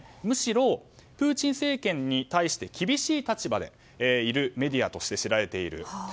むしろ、プーチン政権に対して厳しい立場でいるメディアとして知られている。